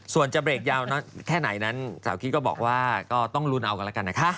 ส่วนจะเบรกยาวน้อยแค่ไหนนั้นสาวคิดก็บอกว่าก็ต้องลุ้นเอากันแล้วกันนะคะ